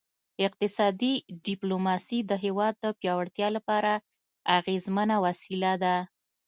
اقتصادي ډیپلوماسي د هیواد د پیاوړتیا لپاره اغیزمنه وسیله ده